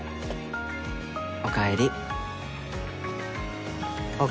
おかえり。